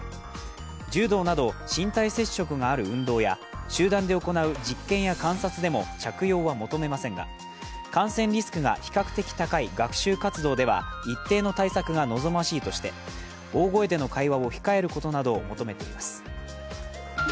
柔道など身体接触がある運動や集団で行う実験や観察でも着用は求めませんが感染リスクが比較的高い学習活動では一定の対策が望ましいとして大声での会話を控えることなどを求めています。